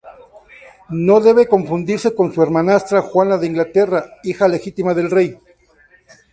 No debe confundirse con su hermanastra Juana de Inglaterra, hija legítima del rey.